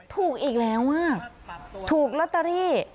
ถูกอีกแล้วอ่ะถูกลอตเตอรี่